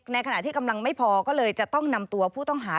ในขณะที่กำลังไม่พอก็เลยจะต้องนำตัวผู้ต้องหา